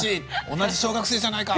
同じ小学生じゃないか！